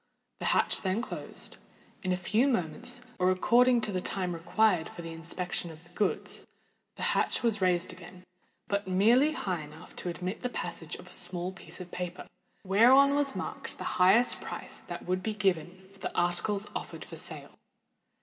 The hatch then closed. In a few moments—or according to the time required for the inspection of the goods—the hatch was raised again, but merely high enough to admit the passage of a small piece of paper, whereon was marked the highest price that would be given for the articles offered for sale.